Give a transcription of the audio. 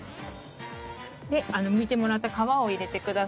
でむいてもらった皮を入れてください。